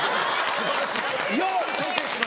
素晴らしい。